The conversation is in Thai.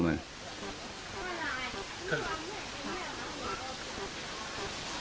เหมือนว่ามันรู้ว่ามันกลับมาเมียมันไม่เอามัน